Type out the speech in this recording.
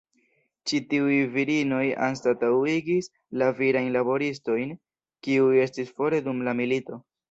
Ĉi tiuj virinoj anstataŭigis la virajn laboristojn, kiuj estis fore dum la milito.